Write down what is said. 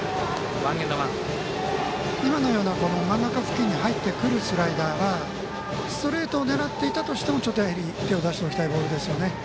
今のような真ん中付近に入ってくるスライダーがストレートを狙っていたとしてもちょっと手を出しておきたいボールですよね。